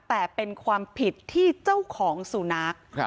แต่เป็นความผิดที่เจ้าของสุนัข